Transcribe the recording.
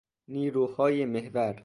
نیروهای محور